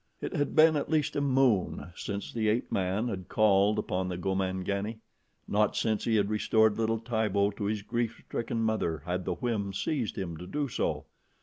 It had been at least a moon since the ape man had called upon the Gomangani. Not since he had restored little Tibo to his grief stricken mother had the whim seized him to do so.